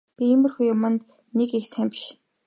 Би тиймэрхүү ярианд нэг их сайн биш.